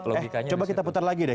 oke coba kita putar lagi deh